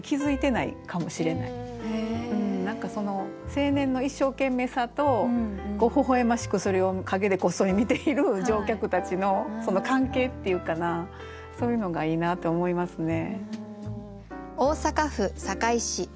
青年の一生懸命さとほほ笑ましくそれを陰でこっそり見ている乗客たちのその関係っていうかなそういうのがいいなと思いますね。